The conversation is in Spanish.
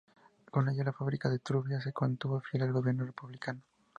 Con ello, la fábrica de Trubia se mantuvo fiel al gobierno republicano.